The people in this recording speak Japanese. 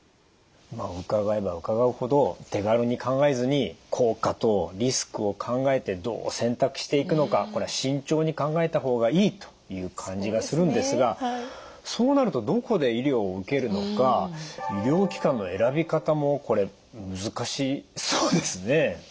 伺えば伺うほど手軽に考えずに効果とリスクを考えてどう選択していくのかこれは慎重に考えた方がいいという感じがするんですがそうなるとどこで医療を受けるのか医療機関の選び方もこれ難しいですね。